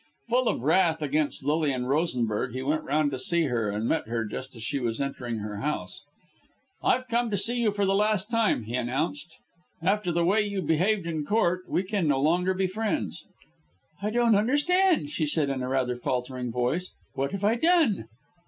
Full of wrath against Lilian Rosenberg, he went round to see her, and met her, just as she was entering her house. "I've come to see you for the last time," he announced. "After the way you behaved in Court, we can no longer be friends." "I don't understand," she said in rather a faltering voice. "What have I done?"